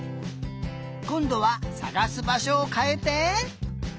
こんどはさがすばしょをかえて。